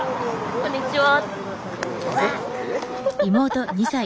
こんにちは！